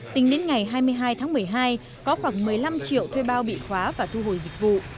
tính đến ngày hai mươi hai tháng một mươi hai có khoảng một mươi năm triệu thuê bao bị khóa và thu hồi dịch vụ